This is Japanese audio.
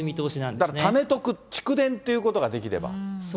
だからためとく、蓄電ってことができれば。